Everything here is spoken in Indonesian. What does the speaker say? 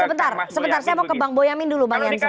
sebentar sebentar saya mau ke mbak boyani dulu mbak nianshan